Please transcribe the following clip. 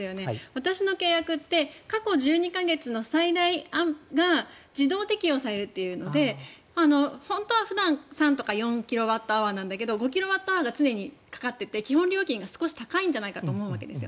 私の契約って過去１２か月の最大が自動適用されるというので本当は普段、３とか４キロワットアワーなんだけど５キロワットアワーが常にかかっていて基本料金が少し高いんじゃないかと思うわけです。